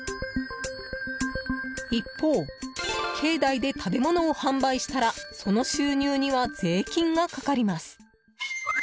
一方、境内で食べ物を販売したらその収入には税金がかかります。